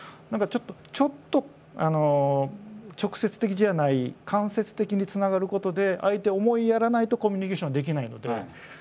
何かちょっと直接的じゃない間接的に繋がることで相手を思いやらないとコミュニケーションできないので。